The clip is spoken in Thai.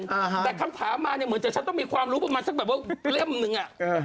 แต่คำถามมาเหมือนจะใช้ต้องมีความรู้มาซักแปบลิ่มหนึ่ง